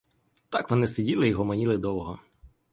Так вони сиділи й гомоніли довго.